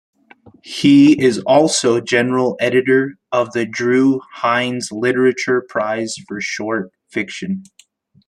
He is also general editor of the Drue Heinz Literature Prize for short fiction.